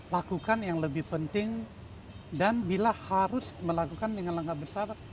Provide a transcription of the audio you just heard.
lakukan yang lebih penting dan bila harus melakukan dengan langkah besar